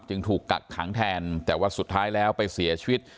ถูกกักขังแทนแต่ว่าสุดท้ายแล้วไปเสียชีวิต